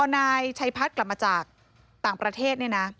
ในชายพัฒน์กลับมาจากต่างประเทศ